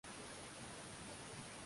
Zipo baadhi ya kamusi ya lugha ya kimasai